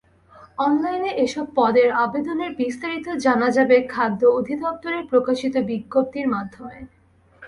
অনলাইনে এসব পদের আবেদনের বিস্তারিত জানা যাবে খাদ্য অধিদপ্তরে প্রকাশিত বিজ্ঞপ্তির মাধ্যমে।